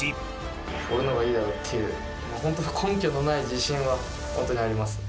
俺のほうがいいだろ？っていう根拠のない自信は本当にあります。